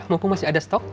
maupun masih ada stok